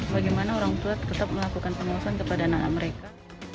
bagaimana orang tua tetap melakukan pengawasan kepada anak anak mereka